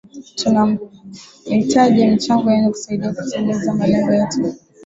Tumahtaji michango yenu kutusaidia kutimiza malengo yetu